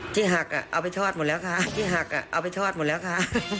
ที่หักเอาไปทอดหมดแล้วค่ะที่หักเอาไปทอดหมดแล้วค่ะ